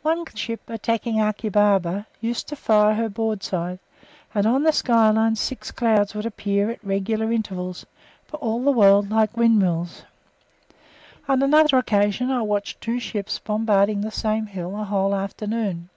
One ship, attacking Achi Baba, used to fire her broadside, and on the skyline six clouds would appear at regular intervals, for all the world like windmills. On another occasion I watched two ships bombarding the same hill a whole afternoon.